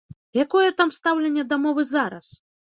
Якое там стаўленне да мовы зараз?